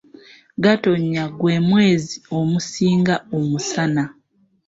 Gatonnya gwe mwezi omusinga omusana.